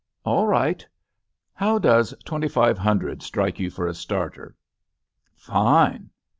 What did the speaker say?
"All right. How does twenty five hundred strike you for a starter?" "Fine."